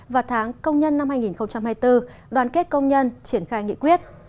và tháng công nhân năm hai nghìn hai mươi bốn đoàn kết công nhân triển khai nghị quyết